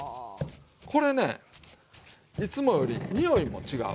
これねいつもよりにおいも違う。